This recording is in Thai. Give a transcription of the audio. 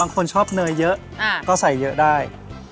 ถ้าเป็นคนชอบเนยเยอะก็ใส่เยอะได้